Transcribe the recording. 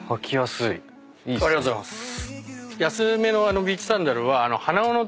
ありがとうございます。